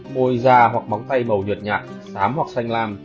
môi da hoặc móng tay màu nhuệt nhạc sám hoặc xanh lam